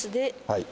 はい。